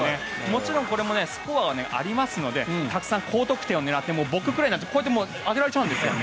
もちろんこれもスコアはありますのでたくさん高得点を狙って僕くらいになるとこうやって当てられちゃうんです。